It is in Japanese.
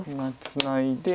ツナいで